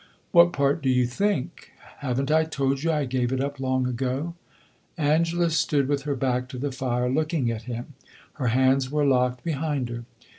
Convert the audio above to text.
"What part do you think?" "Have n't I told you I gave it up, long ago?" Angela stood with her back to the fire, looking at him; her hands were locked behind her.